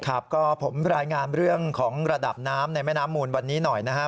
ครับก็ผมรายงานเรื่องของระดับน้ำในแม่น้ำมูลวันนี้หน่อยนะฮะ